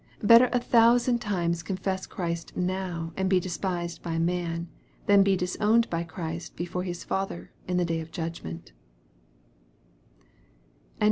Better a thousand times confess Christ now, and be despised by man, than be disowned by Christ before His Father in the day of judgment.